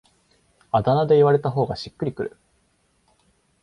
あだ名で言われた方がしっくりくる